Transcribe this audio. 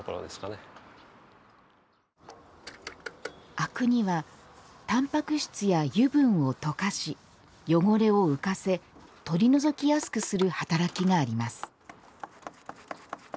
灰汁には、タンパク質や油分を溶かし、汚れを浮かせ取り除きやすくする働きがあります。